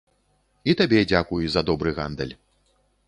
І табе дзякуй за добры гандаль.